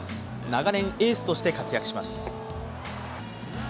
長年エースとして活躍します。